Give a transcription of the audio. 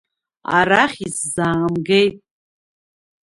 Арахь исзаамгеит…